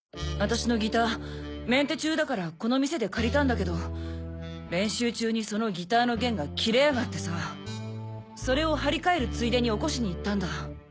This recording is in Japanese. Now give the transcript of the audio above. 私のギターメンテ中だからこの店で借りたんだけど練習中にそのギターの弦が切れやがってさそれを張り替えるついでに起こしに行ったんだ。